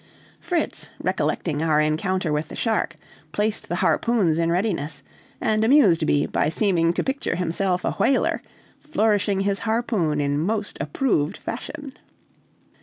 Fritz, recollecting our encounter with the shark, placed the harpoons in readiness; and amused me by seeming to picture himself a whaler, flourishing his harpoon in most approved fashion.